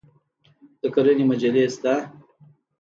د کرنې مجلې شته؟